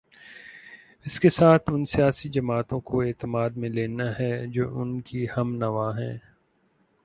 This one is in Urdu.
اس کے ساتھ ان سیاسی جماعتوں کو اعتماد میں لینا ہے جو ان کی ہم نوا ہیں۔